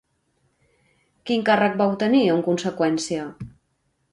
Quin càrrec va obtenir en conseqüència?